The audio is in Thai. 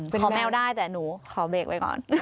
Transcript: ขอแมวได้แต่หนูขอเบรกไว้ก่อน